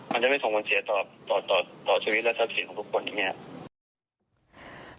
มันจะไม่ส่งผลเสียต่อชีวิตและทัศนศิลป์ของทุกคน